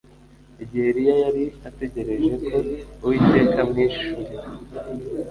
Igihe Eliya yari ategereje ko Uwiteka amwihishurira